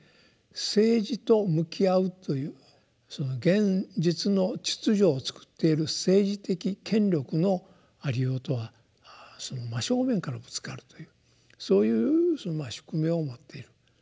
政治と向き合うという現実の秩序をつくっている政治的権力のありようとは真正面からぶつかるというそういう宿命を持っている。